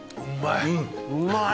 うまい。